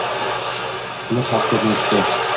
Ular haq gapni aytishdi.